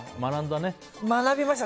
学びました。